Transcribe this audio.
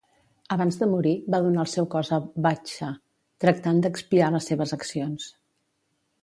Abans de morir, va donar el seu cos a Bhadsha, tractant d'expiar les seves accions.